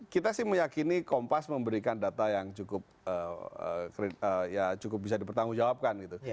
kita sih meyakini kompas memberikan data yang cukup bisa dipertanggungjawabkan gitu